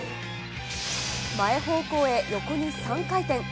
前方向へ横に３回転。